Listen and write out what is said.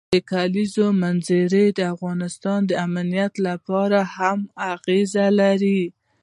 د کلیزو منظره د افغانستان د امنیت په اړه هم اغېز لري.